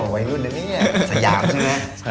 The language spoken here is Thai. อ๋อวัยรุ่นนึงเนี่ยสยามใช่มั้ย